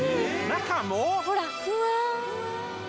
中も！？